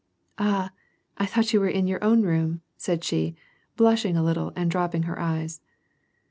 "Ah, I thought you were in your own room," said she, blushing a little, and di*opping her eyes.